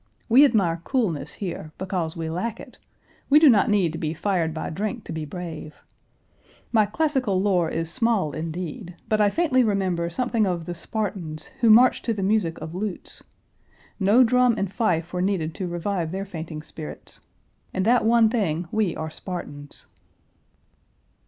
We admire coolness here, because we lack it; we do not need to be fired by drink to be brave. My classical lore is small, indeed, but I faintly remember something of the Spartans who marched to the music of lutes. No drum and fife were needed to revive their fainting spirits. In that one thing we are Spartans.